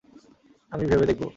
আমি ভেবে দেখবো।